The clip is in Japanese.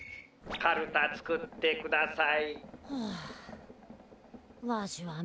かるたつくってください。